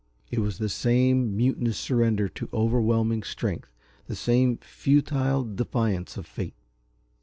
It was the same mutinous surrender to overwhelming strength, the same futile defiance of fate.